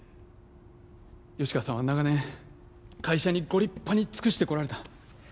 吉川さんは長年会社にご立派に尽くしてこられた